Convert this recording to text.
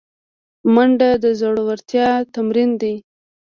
منډه د زړورتیا تمرین دی